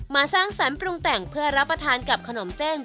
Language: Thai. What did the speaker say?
สร้างสรรค์ปรุงแต่งเพื่อรับประทานกับขนมเส้น